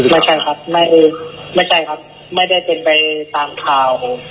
ไม่ใช่ครับไม่ได้เป็นไปตามคร่าว